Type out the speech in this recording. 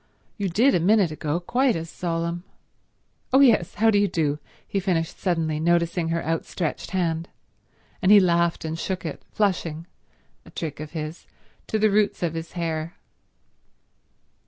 You did a minute ago, quite as solemn. Oh yes—how do you do," he finished suddenly, noticing her outstretched hand. And he laughed and shook it, flushing—a trick of his—to the roots of his hair.